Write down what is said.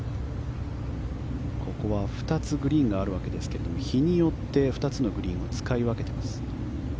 ここは２つグリーンがあるわけですが日によって、２つのグリーンを使い分けています。